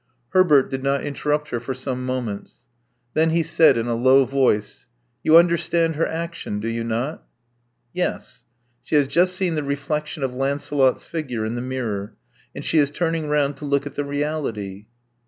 Herbert did not interrupt her for some moments. Then he said in a low voice :You understand her action, do you not?" Yes. She has just seen the reflexion of Lancelot's figure in the mirror; and she is turning round to look at the reality.